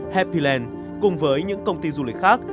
happyland cùng với những công ty du lịch khác